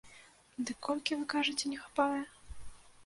Дык колькі, вы кажаце, не хапае?